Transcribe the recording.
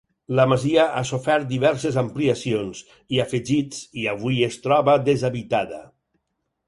La masia ha sofert diverses ampliacions i afegits i avui es troba deshabitada.